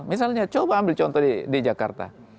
misalnya coba ambil contoh di jakarta